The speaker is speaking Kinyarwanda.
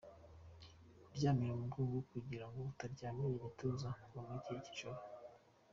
Kuryamira umugongo kugira ngo utaryamira igituza mu gihe cy’ijoro.